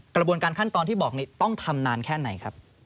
กระบวนการขั้นตอนที่บอกนี้ต้องทำนานแค่ไหนครับ